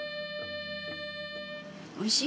おいしい？